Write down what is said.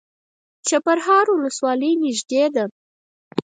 چپرهار ولسوالۍ نږدې ده؟